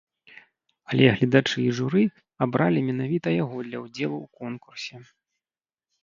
Але гледачы і журы абралі менавіта яго для ўдзелу ў конкурсе.